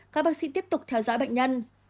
các bác sĩ tiếp tục theo dõi bệnh nhân